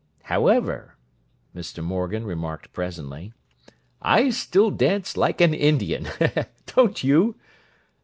"However," Mr. Morgan remarked presently, "I still dance like an Indian. Don't you?"